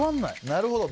なるほど。